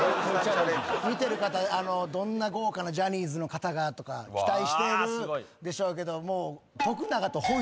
見てる方どんな豪華なジャニーズの方がとか期待してるでしょうけど。